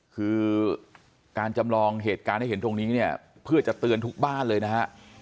คือการจำลองเหตุการณ์ให้เห็นตรงนี้เนี่ยเพื่อจะเตือนทุกบ้านเลยนะฮะ